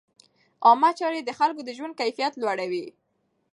عامه چارې د خلکو د ژوند کیفیت لوړوي.